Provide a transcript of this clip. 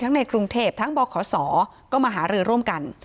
ทั้งในกรุงเทพฯทั้งบอกขอสอก็มาหารือร่วมกัน